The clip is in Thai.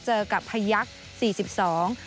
เจอกับพยักษ์สี่สิบสอง